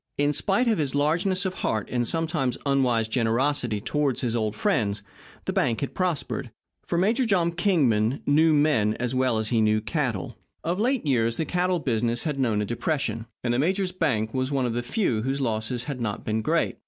In spite of his largeness of heart and sometimes unwise generosity toward his old friends, the bank had prospered, for Major Tom Kingman knew men as well as he knew cattle. Of late years the cattle business had known a depression, and the major's bank was one of the few whose losses had not been great.